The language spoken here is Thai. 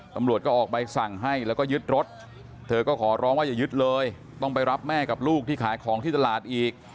ตำรวจก็ออกใบสั่งให้แล้วก็ยึดรถเธอก็ขอร้องว่าอย่ายึดเลยต้องไปรับแม่กับลูกที่ขายของที่ตลาดอีก